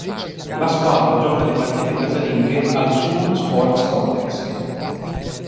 La squadra gioca le partite casalinghe al Suwon Sports Complex.